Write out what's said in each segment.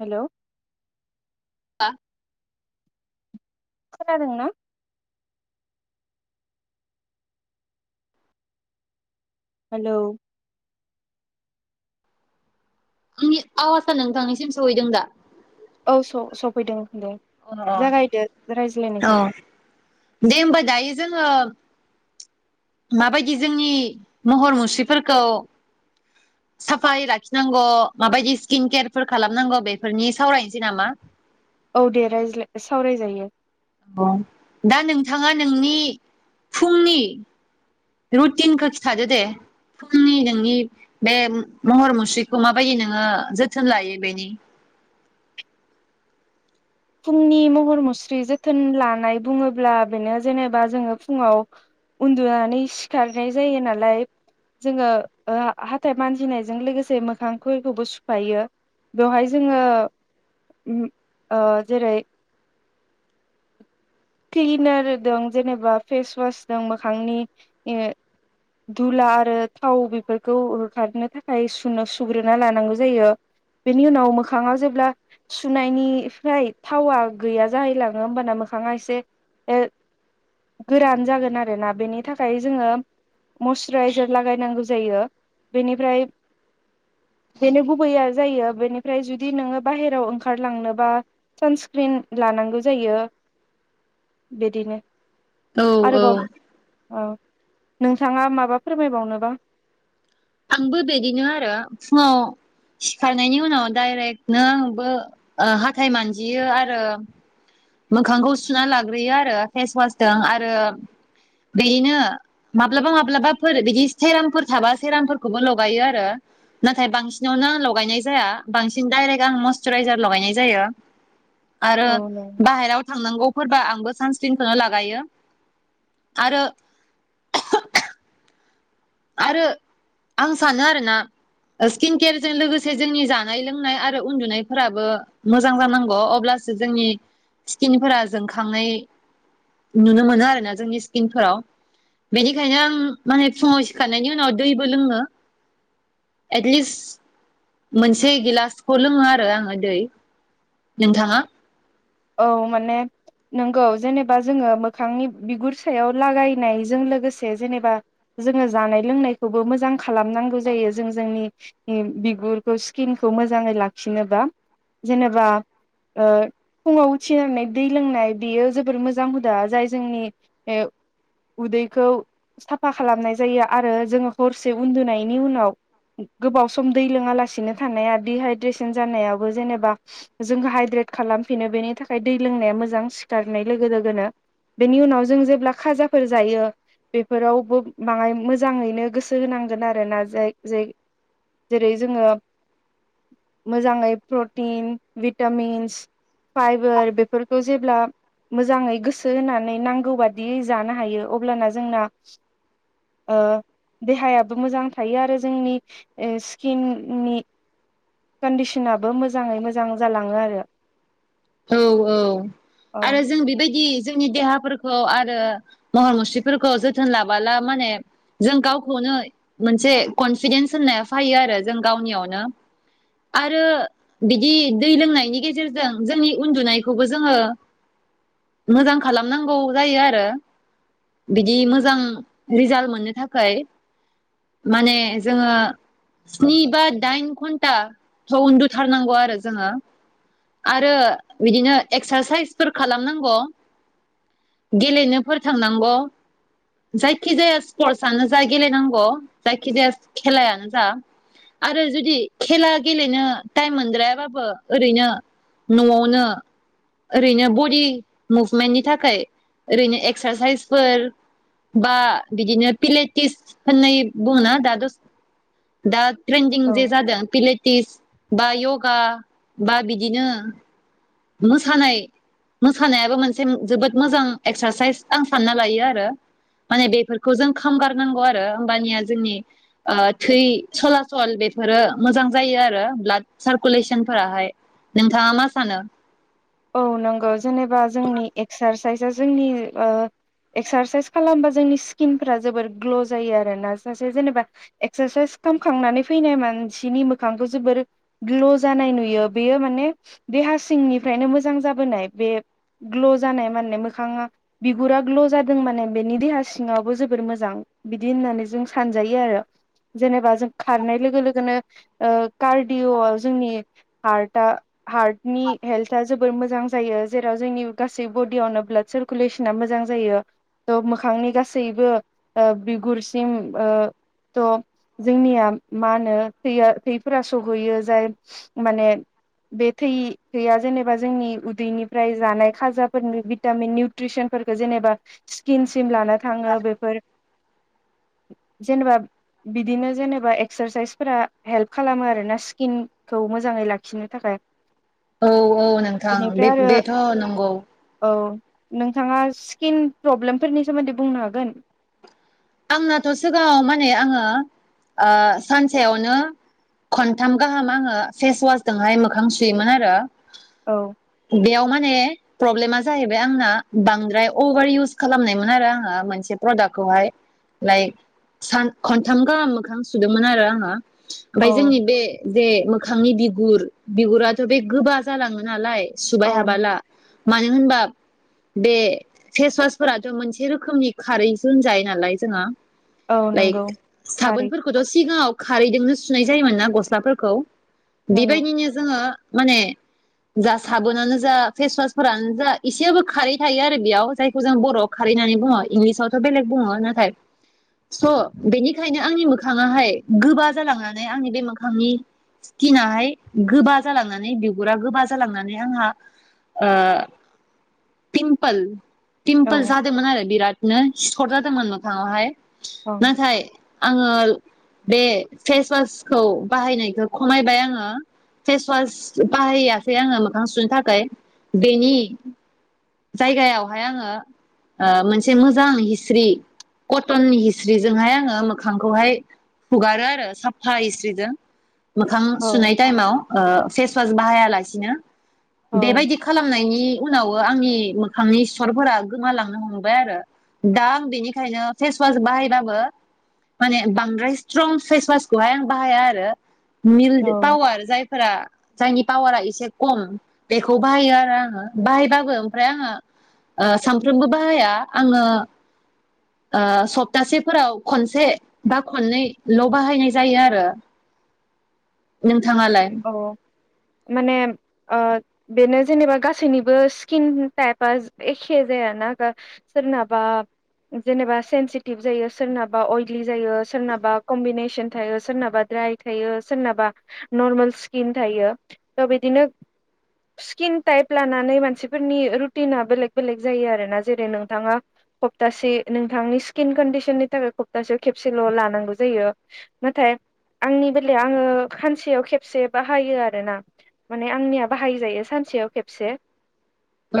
Hello. [unintelligible] खोनादोंं ना? Hello. आंनि आवाजा नोंथांनिसिम सहैदों दा? औ स-सफैदों। दे अ जागायदो अ अ रायज्लायनायखौ दे होमबा दायो जोङो माबायदि जोंनि महर मुस्रिफोरखौ साफाय लाखिनांगौ माबायदि स्किन केयारफोर खालामनांगौ बेफोरनि सावरायनोसै नामा? औ दे रायज्लाय सावराय जायो। अ दा नोंथाङा नोंनि फुंनि, रुटिनखौ खिथादो दे फुंनि नोंनि बे महर मुस्रिखौ माबायदि नोङो जोथोन लायो बेनि। फुंनि महर मुस्रि जोथोन लानाय बुङोब्ला बेनो जेनेबा जोङो फुङाव उन्दुनानै सिखारनाय जायो नालाय जोङो ओं हाथाय मानजिनायजों लोगोसे मोखांखौबो सुफायो बेवहाय जोङो ओम ओं जेरै क्लिनार दं जेनेबा फेसवास दं मोखांनि ए धुला आरो थाव बेफोरखौ होखारनो थाखाय सुनो-सुग्रोना लानांगौ जायो बेनि उनाव मोखाङाव जेब्ला सुनायनिफ्राय थावा गैया जाहैलाङो होमबाना मोखाङा एसे ए गोरान जागोन आरोना बेनि थाखाय जोङो मयसुराइजार लागायनांगौ जायो बेनिफ्राय बेनो गुबैया जायो बेनिफ्राय जुदि नोङो बाहेराव ओंखारलांनोबा सानस्क्रिन लानांगौ जायो। बिदिनो। औ औ आरोबाव ओ नोंथाङा माबा फोरमायबावनो बा? आंबो बिदिनो आरो फुङाव सिखारनायनि उनाव दडायरेक्टनो आंबो हाथाय मानजियो आरो मोखांखौ सुना लाग्रोयो आरो फेसवासजों आरो बिदिनो माब्लाबा माब्लाबाफोर बिदि सेरामफोर थाबा सेरामफोर खौबो लगायो आरो नाथाय बांसिनावनो लगायनाय जाया बांसिन दडाइरेक्ट आं मयसुराइजार लगायनाय जायो। आरो औ नों बाहेराव थांनांगौ फोरबा आंबो सानसक्रिनखौनो लागायो आरो आरो आं सानो आरोना स्किन केयारजों लोगोसे जोंनि जानाय लोंनाय आरो उन्दुनायफोराबो मोजां जानांगौ अब्लासो जोंनि स्किनफोरा जोंखांनाय नुनो मोनो आरोना जोंनि स्किनफोराव बेनिखायनो आं माने फुङाव सिखांनायनि उनाव दैबो लोङो एटलिस्ट मोनसे गिलासखौ लोङो आरो आङो दै नोंथाङा? औ माने नोंगौ जेनेबा जोङो मोखांनि बिगुर सायाव लागायनायजों लोगोसे जेनेबा जोङो जानाय लोंनायखौबो मोजां खालामनांगौ जायो जों जोंनि-नि बिगुरखौ स्किनखौ मोजाङै लाखिनोबा जेनेबा ओ फुङाव उथिनानै दै लोंनाय बेयो जोबोर मोजां हुदा जाय जोंनिओ उदैखौ साफा खालामनाय जायो, आरो जोङो हरसे उन्दुनायनि उनाव गोबाव सम दै लोङा लासिनो थानाया दिहाइद्रेसन जानायाबो जेनेबा जोंखौ हाइद्रेट खालाम, फिनो बेनि थाखाय दै लोंनाया मोजां सिखारनाय लोगो लोगोनो बेनि उनाव जों जेब्ला खाजाफोर जायो, बेफोरावबो बाङाय मोजाङैनो गोसो होनांगोन आरोना जाय जाय जेरै जोङो मोजाङै प्रटिन भिटामिन फाइबार बेफोरखौ जेब्ला मोजाङै गोसो होनानै नांगौ बादियै जानो हायो अब्लाना जोंना ओ देहायाबो मोजां थायो आरो जोंनि स्किननि कनदिसनाबो मोजाङै मोजां जालाङो आरो औ औ औ आरो जों बेबायदि जोंनि देहाफोरखौ आरो महर मुस्रिफोरखौ जोथोन लाबोला माने जों गावखौनो मोनसे कनफिदेनस होननाया फैयो आरो जों गावनियावनो आरो बिदि दै लोंनायनि गेजेरजों, जोंनि उन्दुनायखौबो जोङो मोजां खालामनांगौ जायो आरो बिदि मोजां रिजालट मोननो थाखाय माने जोङो स्नि बा दाइन घन्टाथ' उन्दुथारनांगौ आरो जोङो, आरो बिदिनो एक्सारसाइसफोर खालामनांगौ गेलेनोफोर थांनांगौ जायखिजाया स्पर्टसआनो जा गेलेनांगौ जायखिजाया खेलायानो जा आरो जुदि खेला गेलेनो टाइम मोनद्रायाबाबो ओरैनो, न'आवनो ओरैनो बडि मुभमेन्टनि थाखाय ओरैनो एक्सारसाइसफोर बा बिदिनो पिलेटिस होननाय बुङोना दा दस दा ट्रेनदिं औ जे जादों पिलेटिस बा योगा बा बिदिनो, मोसानाय मोसानायाबो मोनसे जोबोद मोजां एक्सारसाइस आं सानना लायो आरो माने बेफोरखौ जों खामगारनांगौ आरो होमबानिया जोंनि ओ थै सला सल बेफोरो मोजां जायो आरो ब्लाड सारकुलेसन फोराहाय नों नोंथाङा मा सानो? औ नंगौ जेनेबा जोंनि एक्सारसाइजआ जोंनि ओ एक्सारसाइस खालामबा जोंनि स्किनफ्रा जोबोर ग्ल' जायो आरोना सासे जेनेबा एक्सारसाइस खालामखांनानै फैनाय मानसिनि मोखांखौ जोबोर ग्ल' जानाय नुयो बेयो माने देहा सिंनि, ओमफ्रायनो मोजां जाबोनाय बे ग्ल' जानाय माने मोखाङा बिगुरा ग्ल' जादों माने बेनि देहा सिङावबो जोबोर मोजां बिदि होननानै जों सानजायो आरो जेनेबा जों खारनाय लोगो लोगोनो ओ कार्डअ'आव जोंनि हार्टआ हार्टनि, हेल्था जोबोर मोजां जायो जेराव जोंनि गासै बडियावनो ब्लाड सारकुलेसना मोजां जायो थ' मोखांनि गासैबो ओ बिगुरसिम ओ थ' जोंनिया मा होनो थैया थैफोरा सहैयो जाय माने बे थै गैया जेनेबा जोंनि उदैनिफ्राय जानाय खाजाफोरनि भिटामिन निउट्रिसनफोरखौ जेनेबा स्किनसिम लानो थाङो बेफोर जेनेबा बिदिनो जेनेबा एक्सारसाइसफोरा हेल्प खालामो आरोना स्किनखौ मोजाङै लाखिनो थाखाय, औ औ नोंथां बे बेनिफ्राय आरो बेथ' नंगौ औ नोंथाङा स्किन प्रब्लेमफोरनि सोमोन्दै बुंनो हागोन? आंनाथ' सिगाङाव माने आङो ओ सानसेयावनो खनथाम गाहाम आङो फेसवासजोंहाय मोखां सुयोमोन आरो औ बेयाव माने प्रब्लेमा जाहैबाय आंना बांद्राय अभार इउस खालामनायमोन आरो आङो मोनसे प्रदाकखौहाय लाइक सान खनथाम गाहाम मोखां सुदोंमोन आरो आङो औ ओमफ्राय जोंनि बे बेे मोखांनि बिगुर बिगुराथ' बे गोबा जालाङो नालाय, सुबाय औ हाबाला मानो होनबा बे फेसवासफोराथ' मोनसे रोखोमनि खारैसो होनजायो नालाय। जोंहा औ लाइक नंगौ थारै साबोनफोरखौथ' सिगाङाव खारैजोंनो सुनाय जायोमोन ना गस्लाफोरखौ नंगौ बेबायदिनो जोङो माने जा साबोनानो जा फेसवासफोरानो जा एसेबाबो खारै थायो आरो बेयाव जायखौ जों बर'आव खारै होननानै बुङो इंलिसावथ' बेलेग बुङो नाथाय स' बेनिखायनो आंनि मोखाङाहाय गोबा जालांनानै आंनि बे मोखांनि स्किनाहाय गोबा जालांनानै बिगुरा गोबा जालांनानै आंहा ओ पिमपोल औ पिमपल जादोमोन आरो बिरट नो सिथर जादोमोन मो खाङाव हाय। औ नाथाय आङो बे फेसवासखौ बाहायनायखौ खमायबाय आङो फेसवास बाहायासै आङो मोखां सुनो थाखै बेनि जायगायावहाय आङो ओ मोनसे मोजां हिस्रि कटननि हिस्रिजोंहाय आङो मोखांखौहाय हुगारो आरो साफा हिस्रिजों। मोखां औ सुनाय टाइमाव ओ फेसवास बाहायालासिनो। औ बेबायदि खालामनायनि उनावबो आंनि मोखांनि सिथरफोरा गोमालांनो हमबाय आरो दा आं बेनिखायनो फेसवास बाहायबाबो माने बांद्राय स्ट्रं फेसवासखौहाय आं बाहाया आरो मिल औ पावार जायफ्रा जायनि पावारा एसे खम बेखौ बाहायो आरो आङो बाहायबाबो ओमफ्राय आङो ओ सानफ्रोमबो बाहाया आङो ओ सप्तासेफोराव खनसे बा खननै ल' बाहायनाय जायो आरो नों थाङालाय? औ माने ओ बेनो जेनेबा गासैनिबो स्किन टाइपआ एखे जायाना दा सोरनाबा जेनेबा सेन्सिटिभ जायो सोरनाबा अयलि जायो सोरनाबा कम्बिनेसन थायो सोरनाबा द्राय थायो सोरनाबा नरमेल स्किन थायो थ' बिदिनो स्किन टाइप लानानै मानसिफोरनि रुटिना बेलेग बेलेग जायो आरोना जेरै नोंथाङा सप्तासे नोंथांनि स्किन कन्डिसननि थाखाय खप्तासेयाव खेबसेल लानांगौ जायो नाथाय आंनि बेलायाव आङो खान सेयाव खेबसे बाहायो आरो ना माने आंनिया बाहायजायो सानसेयाव खेबसे।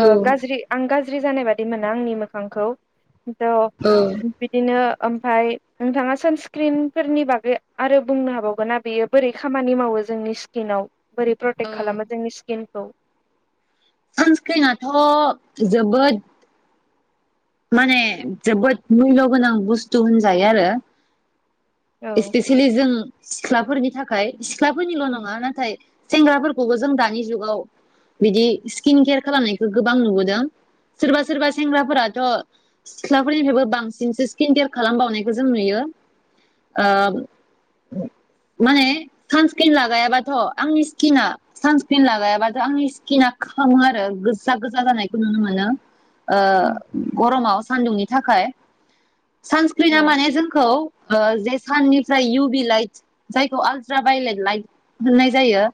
ओ गाज्रि आं गाज ज्रि जानाय बादि मोना आंनि मोखांखौ थ' औ बिदिनो ओमफाय नोंथाङा सान स्क्रिनफोरनि बागै आरो बुंनो हाबावगोन ना बेयो बोरै खामानि मावो जोंनि स्किनाव बोरै औ प्रटेक्ट खालामो जोंनि स्किनखौ सानस्क्रिनाथ जोबोद माने जोबोद मुल्य गोनां बुस्थु होनजायो आरो औ इसपेसियेलि जों सिख्लाफोरनि थाखाय। सिख्लाफोरनिल' नङा नाथाय सेंग्राफोरखौबो जों दानि जुगाव बिदि स्किन केयार खालामनायखौ गोबां नुबोदों सोरबा सोरबा सेंग्राफोरा थ सिख्लाफोरनिफ्रायबो बांसिनसो स्किन केयार खालामबावनायखौ जों नुयो ओ माने सानस्क्रिन लागायाबाथ आंनि स्किना सानस्क्रिन लागायाबाथ आंनि स्किना खामो आरो गोजा गोजा जानायखौ नुनो मोनो ओ उम गरमाव सानदुंनि थाखाय औ सानस्क्रिना माने जोंखौ ओ जे साननिफ्राय इउ बि लाइट जायखौ आलट्रा भायलेट लाइट होननाय जायो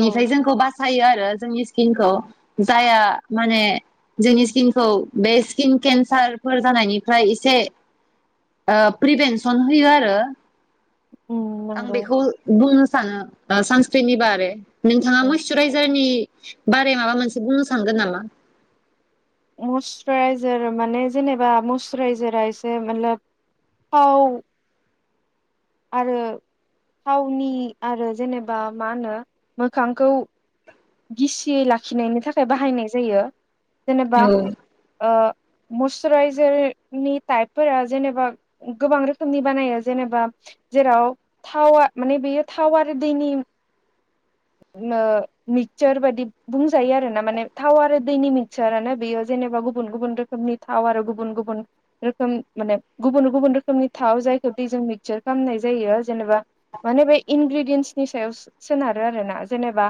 औ जोंखौ बासायो आरो जोंनि सि स्किनखौ जायहा माने जोंनि स्किनखौ बे स्किन केन्सारफोर जानायनिफ्राय एसे ओ प्रिभेनसन होयो आरो उम आं नंगौ बेखौ बुंनो सानो सानस्क्रिननि बारे नोंथाङा औ मयस्चुराइजारनि बाराय माबा मोनसे बुंनो सानगोन नामा मस्सुराइजार माने जेनेबा मस्सुराइजारा एसे मालाब थाव आरो थावनि आरो जेनेबा मा होनो मोखांखौ गिसियै लाखिनायनि थाखाय बाहायनाय जायो जेनेबा औ ओ मसुराइजारनि ताइप फोरा जेनेबा ग-गोबां रोखोमनि बानायो जेनेबा जेराव थावा माने बेयो थाव आरो दैनि मो मि सार बादि बुंजायो आरोना माने थाव आरो दैनि मिक्सारानो बेयो जेनेबा गुबुन गुबुन रोखोमनि‌ थाव आरो गुबुन गुबुन रोखोमन माने गुबुन गुबुन रोखोमनि थाव जायखो मिक्सार खाज्ञनाय जायो जेनेबा माने बे इनग्रिडियेनसनि सायावस सोनारो आरोना‌ जेनेबा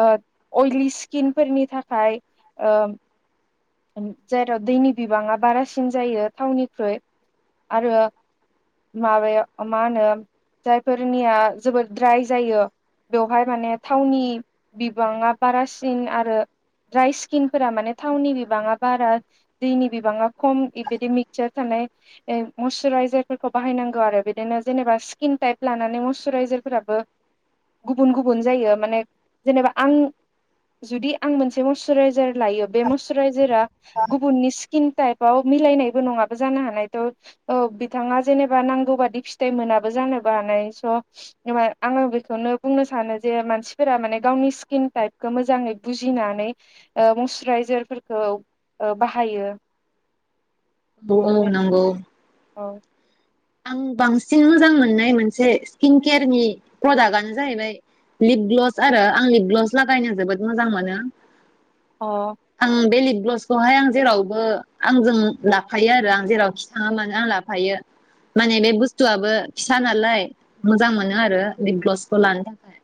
ओ अइलि स्किनफोरनि थाखाय ओ जेराव दैनि बिबाङा बारासिन जायो थावनिख्रुय आरो हाबायाव मा होनो जायफोरनिया जोबोद द्राय जायो बेवहाय माने थावनि बिबाङा बारासिन आरो द्राय स्किनफोरा माने थावनि बिबाङा बारा दैनि बिबाङा खम बिबायदि मिक्चार थानाय मस्सुराइजारफोरखौ बाहायनांगौ आरो बिदिनो जेनेबा स्किन टाइप लानानै मस्सुराइजारफोराबो गुबुन गुबुन जायो माने जेनेबा आं जुदि आं मोनसे मइसुराइजार लायो बे मस्सुराइजारा गुबुननि सि स्किन टाइपाव मिलायनायबो नङाबो जानो हानाय त' बिथाङा जेनेबा नांगौ बादि फिथाइ मोनाबो जानोबो हानाय स आङो बेखौनो बुंनो सानो जे मानसि फोरा माने गावनि स्किन टाइपखौ मोजाङै बुजिनानै मइसुराइजारफोरखौ बाहायो औ औ नंगौ औ आं बांसिन मोजां मोननाय मोनसे स्किन केेयारनि प्रडाक्टनो जाहैबाय लिप ग्लभस आरो आं लिप ग्लभस लागायनो जोबोद मोजां मोनो अ ब्लसखौहाय आं जेरावबो आंजों लाफायो आरो आं जेराव खि थाङा मानो आं लाफायो माने बे बुस्थुआबो फिसा नालाय मोजां मोनो आरो बे ग्लबसखौ लानो थाखाय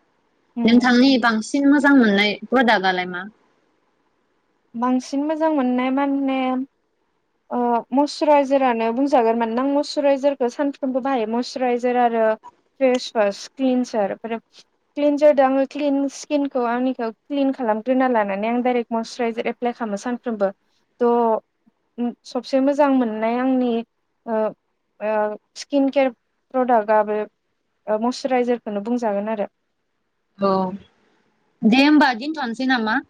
नोंथांनि बांसिन मोजां मोननाय प्रदाक्टआलाय मा बांसिन मोजां मोननाय मान ने मस्सुराइजारानो बुंजागोन मानोना आं मस्सुराइजारखौ सानफ्रोमबो बाहायो मस्सुराइजार आरो फेसवास क्लिनसारमफ्राय क्लिनजारजों आङो क्न स्किनखौ आंनिखौ क्लिन खालामग्रोना लानानै आं दडाइरेक्ट मयस्सुराइजार एप्लाइ खालामो सानफ्रोमबो थ' सबसे मोजां मोननाय आंनि स्किन केयार प्रडाक्टआ बे मयससुराइजारखौनो बुंजागोन आरो औ दे होमबा दोनथ'नोसै नामा